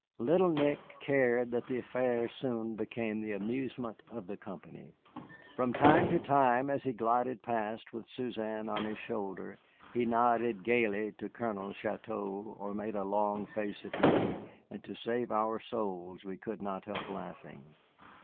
Little Nick cared that the affair soon became the amusement of the company. From time to time, as he glided past with Suzanne on his shoulder, he nodded gayly to Colonel Chouteau or made a long face at me, and to save our souls we could not help laughing.